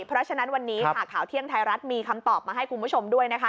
เพราะฉะนั้นวันนี้ค่ะข่าวเที่ยงไทยรัฐมีคำตอบมาให้คุณผู้ชมด้วยนะคะ